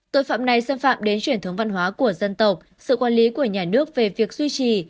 tội phạm này xâm phạm đến truyền thống văn hóa của dân tộc sự quản lý của nhà nước về việc duy trì